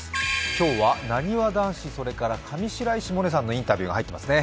今日は、なにわ男子、それから上白石萌音さんのインタビューが入っていますね。